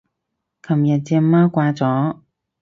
琴日隻貓掛咗